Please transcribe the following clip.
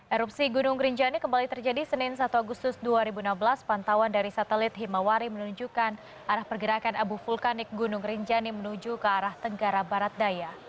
erupsi gunung rinjani kembali terjadi senin satu agustus dua ribu enam belas pantauan dari satelit himawari menunjukkan arah pergerakan abu vulkanik gunung rinjani menuju ke arah tenggara barat daya